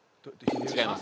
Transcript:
違います。